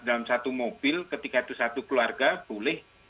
dalam satu mobil ketika itu satu keluarga boleh